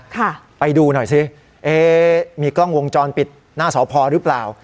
ค่ะไปดูหน่อยสิเอ๊มีกล้องวงจรปิดหน้าสพหรือเปล่า